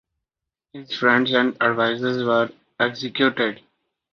His friends and advisors were executed.